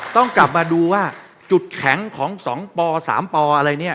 ต้องกลับมาดูว่าจุดแข็งของ๒ป๓ปอะไรเนี่ย